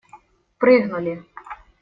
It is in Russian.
Прыгнули!